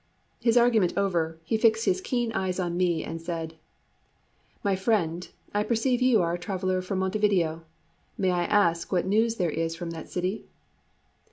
His argument over, he fixed his keen eyes on me and said: "My friend, I perceive you are a traveller from Montevideo: may I ask what news there is from that city?"